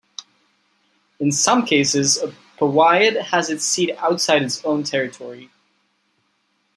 In some cases a powiat has its seat outside its own territory.